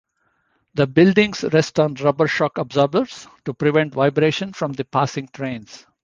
The buildings rest on rubber shock absorbers to prevent vibrations from the passing trains.